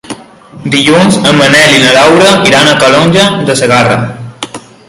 Dilluns en Manel i na Laura iran a Calonge de Segarra.